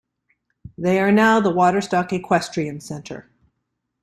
They are now the Waterstock Equestrian Centre.